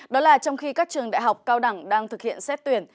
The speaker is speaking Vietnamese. đó là trong khi các trường đại học cao đẳng đang thực hiện xét tuyển